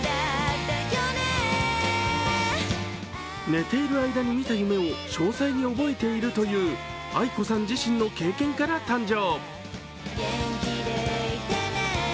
寝ている間に見た夢を詳細に覚えているというａｉｋｏさん自身の経験から誕生。